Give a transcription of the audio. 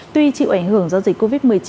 tuy chịu ảnh hưởng do dịch covid một mươi chín